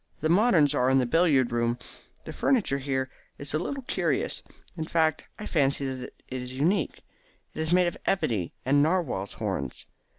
The moderns are in the billiard room. The furniture here is a little curious. In fact, I fancy that it is unique. It is made of ebony and narwhals' horns.